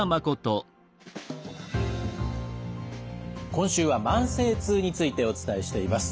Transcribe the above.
今週は慢性痛についてお伝えしています。